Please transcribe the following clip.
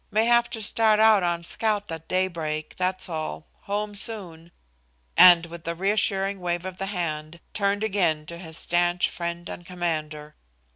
"May have to start out on scout at daybreak. That's all. Home soon," and with a reassuring wave of the hand, turned again to his stanch friend and commander.